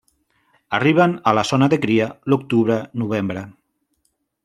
Arriben a la zona de cria l'octubre-novembre.